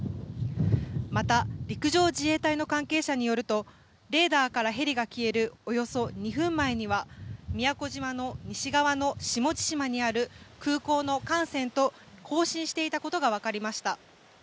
また陸上自衛隊の関係者によるとレーダーからヘリが消えるおよそ２分前には宮古島の西側の下地島にある空港の管制と交信していたことがわかりました。